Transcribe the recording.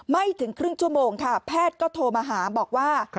ไม่ถึงครึ่งชั่วโมงค่ะแพทย์ก็โทรมาหาบอกว่า